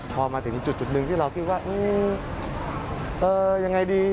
พอมาถึงจุดหนึ่งที่เราคิดว่ายังไงดี